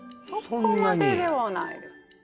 そこまででもないです